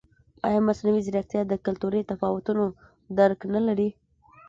ایا مصنوعي ځیرکتیا د کلتوري تفاوتونو درک نه لري؟